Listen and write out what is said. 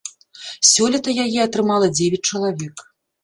Сёлета яе атрымала дзевяць чалавек.